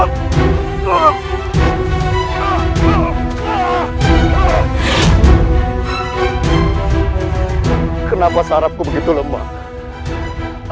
kenapa sarapku begitu lemah